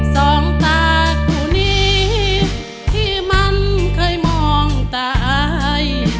สองตาคู่นี้ที่มันเคยมองตาย